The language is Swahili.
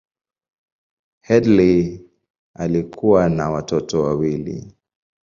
Headlee alikuwa na watoto wawili.